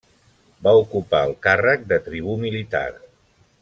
Va ocupar el càrrec de tribú militar.